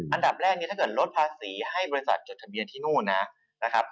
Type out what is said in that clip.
อันดับแรกเนี่ยถ้าเกิดลดภาษีให้บริษัทจดทะเบียนที่นู่นนะครับ